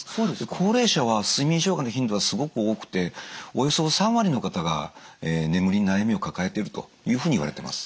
高齢者は睡眠障害の頻度がすごく多くておよそ３割の方が眠りに悩みを抱えているというふうにいわれています。